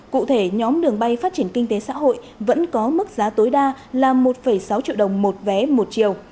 cụ thể nhóm đường bay phát triển kinh tế xã hội vẫn có mức giá tối đa là một sáu triệu đồng một vé một chiều